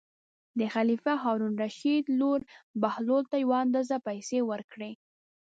د خلیفه هارون الرشید لور بهلول ته یو اندازه پېسې ورکړې.